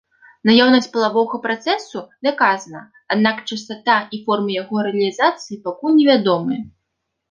Наяўнасць палавога працэсу даказана, аднак частата і формы яго рэалізацыі пакуль невядомыя.